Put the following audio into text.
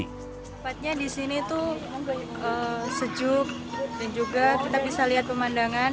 tempatnya di sini tuh sejuk dan juga kita bisa lihat pemandangan